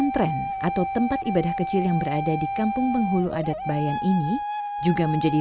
pesantren atau tempat ibadah kecil yang berada di kampung penghulu adat bayan ini juga menjadi